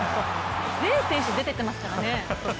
全選手出てってますからね。